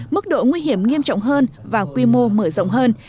mức độ nguy hiểm nghiêm trọng hơn và quy mô mở rộng hơn